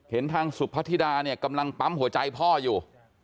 เห็นทางสุพธิดาเนี่ยกำลังปั๊มหัวใจพ่ออยู่